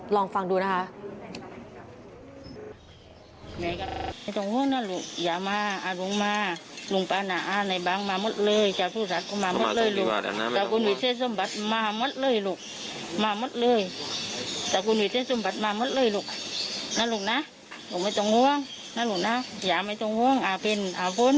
ลองฟังดูนะครับ